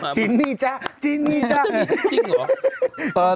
ชินนี่จ๊ะชินนี่จ๊ะ